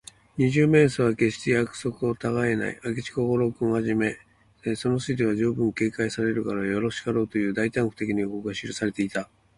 二十面相は、けっして約束をたがえない。明智小五郎君をはじめ、その筋では、じゅうぶん警戒されるがよろしかろう、という大胆不敵の予告が記されていた。